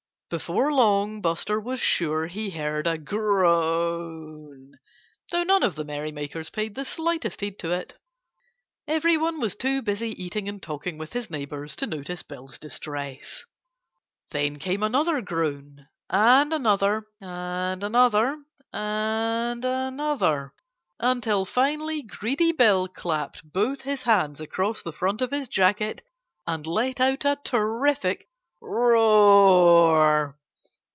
Before long Buster was sure he heard a groan, though no one of the merrymakers paid the slightest heed to it. Everyone was too busy eating and talking with his neighbors to notice Bill's distress. Then came another groan and another and another and another, until finally greedy Bill clapped both his hands across the front of his jacket and let out a terrific roar.